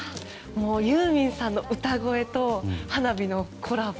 ユーミンさんの歌声と花火のコラボ